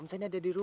mirah jangan mirah